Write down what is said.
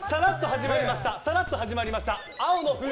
さらっと始まりました。